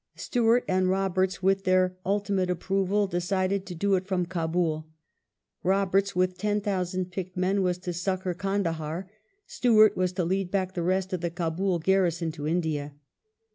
Stewart and Roberts, with their ultimate approval, decided to do it from Kdbul. Roberts with 10,000 picked men was to succour Kandahdr, Stewai't was to lead back the rest of the Kabul garrison to India.